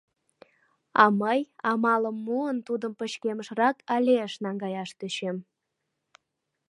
А мый, амалым муын, тудым пычкемышрак аллейыш наҥгаяш тӧчем.